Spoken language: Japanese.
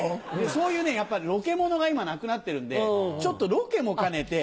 そういうロケものが今なくなってるんでちょっとロケも兼ねて。